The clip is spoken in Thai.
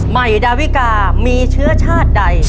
ใหม่ดาวิกามีเชื้อชาติใด